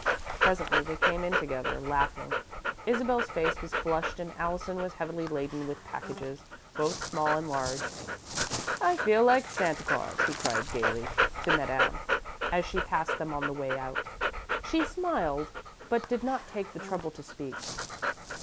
Presently they came in together, laughing. Isabel's face was flushed and Allison was heavily laden with packages, both small and large. "I feel like Santa Claus," he cried, gaily, to Madame, as she passed them on the way out. She smiled, but did not take the trouble to speak.